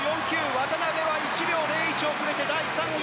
渡辺は１秒０１遅れて第３位。